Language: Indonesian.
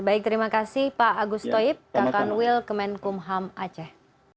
baik terima kasih pak agus toib kakan wil kemenkumham aceh